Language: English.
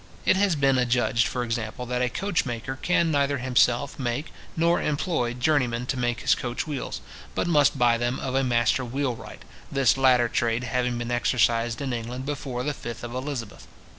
It has been adjudged, for example, that a coach maker can neither himself make nor employ journeymen to make his coach wheels, but must buy them of a master wheel wright; this latter trade having been exercised in England before the 5th of Elizabeth.